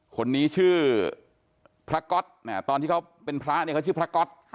คนนี้ชื่อพระก๊อตตอนที่เขาเป็นพระเนี่ยเขาชื่อพระก๊อต